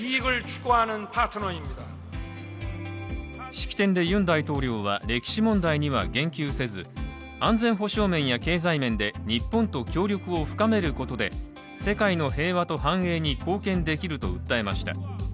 式典でユン大統領は、歴史問題には言及せず安全保障面や経済面で日本と協力を深めることで世界の平和と繁栄に貢献できると訴えました。